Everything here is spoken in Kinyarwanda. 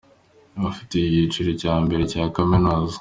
bafite icyiciro cya mbere cya Kaminuza